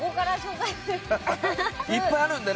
いっぱいあるので。